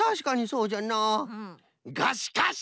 がしかし！